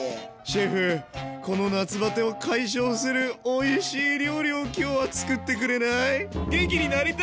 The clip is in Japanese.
シェフこの夏バテを解消するおいしい料理を今日はつくってくれない？ＯＫ！